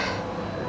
aku nggak mau repotin